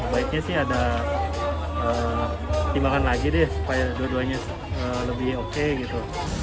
baiknya sih ada dimakan lagi deh supaya dua duanya lebih oke gitu